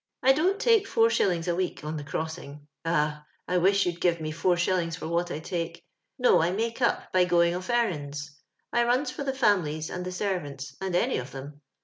*• I don't take 4ts. a week on the crossing. Ah ! I wish you'd give me 1». for what I take. No, I make up by going of eiTands. I runs for the fam'lies, and the servants, and any of 'em.